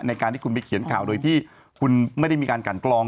ในการที่คุณไปเขียนข่าวโดยที่คุณไม่ได้มีการกันกรอง